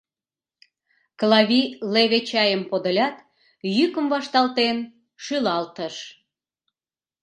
Клави леве чайым подылят, йӱкым вашталтен шӱлалтыш: